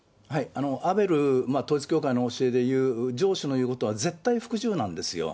アベル、統一教会の教えでいう上司の言うことは絶対服従なんですよ。